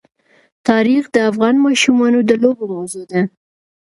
تاریخ د افغان ماشومانو د لوبو موضوع ده.